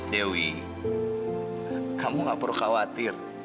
dewi kamu gak perlu khawatir